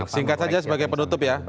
singkat saja sebagai penutup ya